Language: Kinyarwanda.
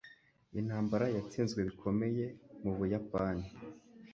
Intambara yatsinzwe bikomeye mubuyapani.